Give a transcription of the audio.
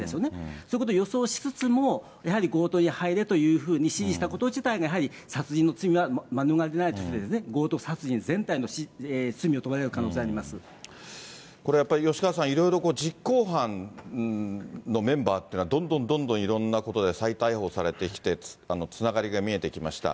そういうことを予想しつつも、やはり強盗に入れというふうに指示したこと自体が、やはり殺人の罪は免れないとして、強盗殺人全体の罪に問われる可能性はありまこれ、やっぱり吉川さん、いろいろ、実行犯のメンバーっていうのは、どんどんどんどんいろんなことで再逮捕されてきて、つながりが見えてきました。